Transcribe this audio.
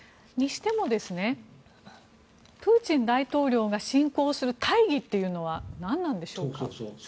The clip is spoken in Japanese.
にしてもプーチン大統領が侵攻する大義というのは何なんでしょうか？